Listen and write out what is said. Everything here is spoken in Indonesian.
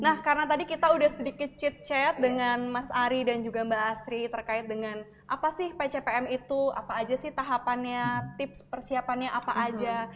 nah karena tadi kita udah sedikit cheet chat dengan mas ari dan juga mbak astri terkait dengan apa sih pcpm itu apa aja sih tahapannya tips persiapannya apa aja